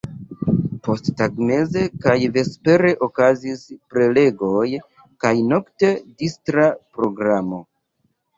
Posttagmeze kaj vespere okazis prelegoj kaj nokte distra programo.